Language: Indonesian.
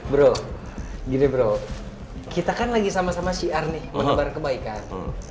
bro gini bro kita kan lagi sama sama si ar nih menyebar kebaikan